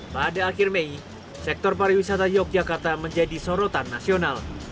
pada akhir mei sektor pariwisata yogyakarta menjadi sorotan nasional